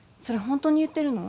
本当に言ってるの？